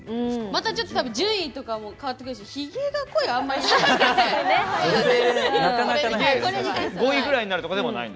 また順位とかも変わってくるしひげが濃いはあんまりいない。